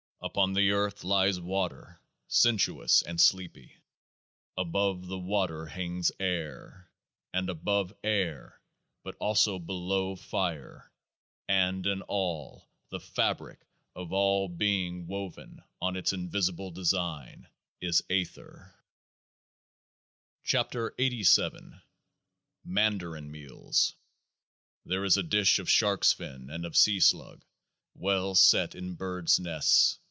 Upon the earth lies water, sensuous and sleepy. Above the water hangs air ; and above air, but also below fire and in all the fabric of all being woven on Its invisible design, is AI0HP 104 KEOAAH nZ MANDARIN MEALS There is a dish of sharks' fins and of sea slug, well set in birds' nests